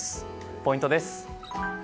ポイントです。